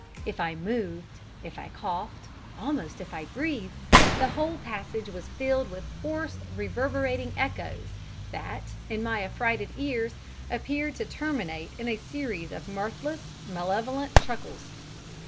If I moved, if I coughed, almost if I breathed, the whole passage was filled with hoarse reverberating echoes, that, in my affrighted ears, appeared to terminate in a series of mirthless, malevolent chuckles.